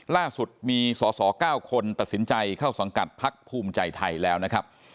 ล่าสุดมีสอสอ๙คนตัดสินใจเข้าสังกัดพักภูมิใจไทยแล้วนะครับ